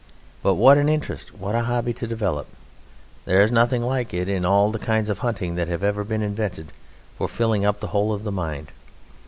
But what an interest! What a hobby to develop! There is nothing like it in all the kinds of hunting that have ever been invented for filling up the whole of the mind.